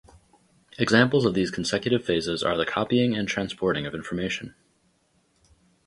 Examples of these consecutive phases are the copying and transporting of information.